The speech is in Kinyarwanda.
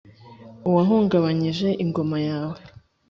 Uwahungabanyije ingoma yawe,